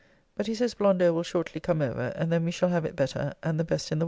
But he says Blondeau will shortly come over, and then we shall have it better, and the best in the world.